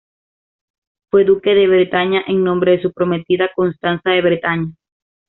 Fue duque de Bretaña en nombre de su prometida Constanza de Bretaña.